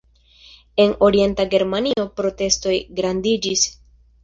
En orienta Germanio protestoj grandiĝis.